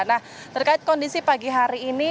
nah terkait kondisi pagi hari ini